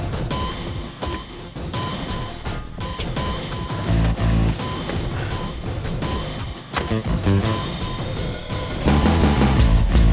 duduk di jalanan kayak gini